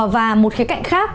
và một khía cạnh khác